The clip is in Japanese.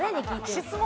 質問